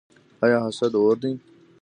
آیا حسد اور دی؟